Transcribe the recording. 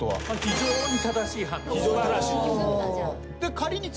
非常に正しい判断。